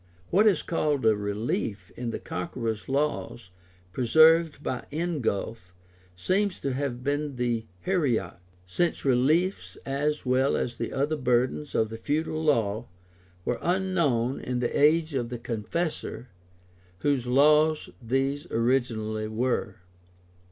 What is called a relief in the Conqueror's laws, preserved by Ingulf, seems to have been the heriot; since reliefs, as well as the other burdens of the feudal law, were unknown in the age of the Confessor, whose laws these originally were.